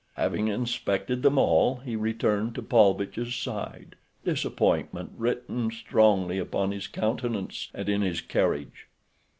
Having inspected them all he returned to Paulvitch's side, disappointment written strongly upon his countenance and in his carriage.